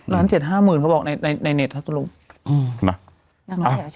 ล้านเจ็ดห้าหมื่นเขาบอกในในในในเน็ตเขาตรงอืมมาอ่าโอเค